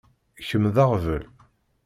Kemm d aɣbel.